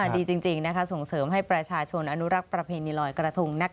ดีจริงส่งเสริมให้ประชาชนอนุรักษ์ประเพณีลอยกระทง